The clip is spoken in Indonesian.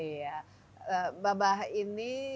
iya babah ini